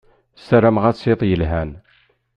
Sarmeɣ-as iḍ yelhan.